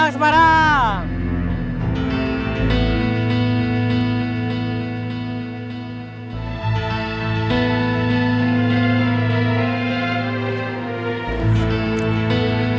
semarang semarang semarang